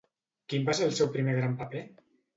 Quin va ser el seu primer gran paper?